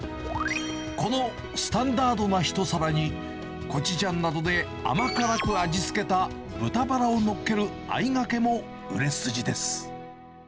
このスタンダードな一皿に、コチュジャンなどで甘辛く味付けた豚バラをのっけるあいがけも売れ筋です。